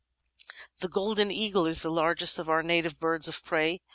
^ The Golden Eagle is the largest of our native birds of prey.